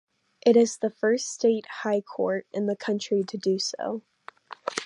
It is the first state high court in the country to do so.